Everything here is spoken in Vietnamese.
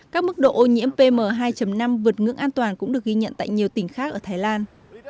các mức độ ô nhiễm pm hai năm vượt ngưỡng an toàn cũng được ghi nhận tại nhiều tỉnh khác ở thái lan